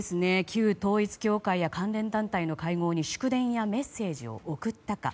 旧統一教会や関連団体の会合に祝電やメッセージを送ったか。